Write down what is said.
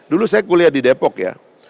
dulu saya kuliah di depok ya